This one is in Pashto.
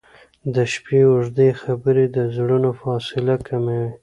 • د شپې اوږدې خبرې د زړونو فاصله کموي.